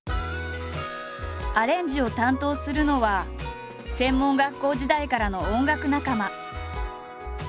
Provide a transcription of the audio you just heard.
アレンジを担当するのは専門学校時代からの音楽仲間。